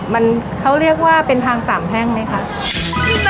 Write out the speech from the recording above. มันเขาเรียกว่าเป็นทางสามแพ่งไหมคะ